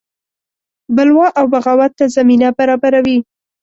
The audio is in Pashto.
بلوا او بغاوت ته زمینه برابروي.